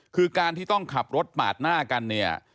คือการที่ต้องขับรถปาดหน้ากันเนี่ย